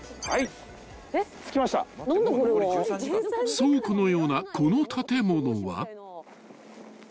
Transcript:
［倉庫のようなこの建物は］